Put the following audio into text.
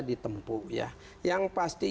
kita bisa menghasilkan